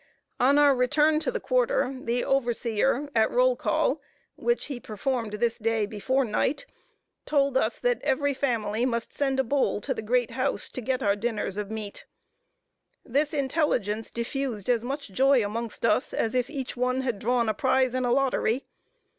On our return to the quarter, the overseer, at roll call which he performed this day before night told us that every family must send a bowl to the great house, to get our dinners of meat. This intelligence diffused as much joy amongst us, as if each one had drawn a prize in a lottery.